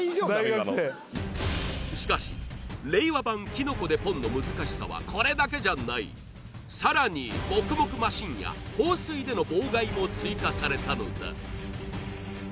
今のしかし令和版・キノコでポンの難しさはこれだけじゃないさらにもくもくマシンや放水での妨害も追加されたのだ